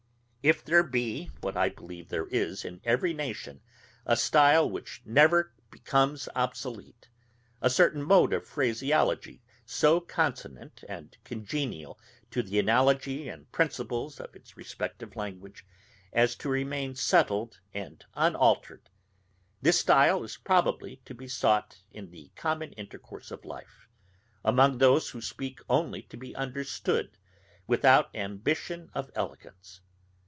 If there be, what I believe there is, in every nation, a stile which never becomes obsolete, a certain mode of phraseology so consonant and congenial to the analogy and principles of its respective language as to remain settled and unaltered; this style is probably to be sought in the common intercourse of life, among those who speak only to be understood, without ambition of elegance.